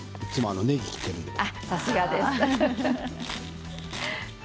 さすがです。